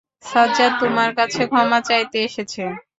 সাজ্জাদ তোমার কাছে ক্ষমা চাইতে এসেছে।